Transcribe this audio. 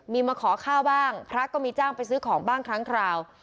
มีมาขอข้าวบ้างพระก็มีจ้างไปซื้อของบ้างครั้งคราว